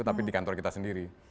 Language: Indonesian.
tapi di kantor kita sendiri